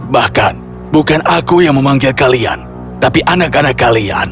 bahkan bukan aku yang memanggil kalian tapi anak anak kalian